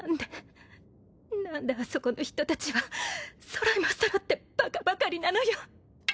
何であそこの人たちは揃いも揃ってバカばかりなのよ。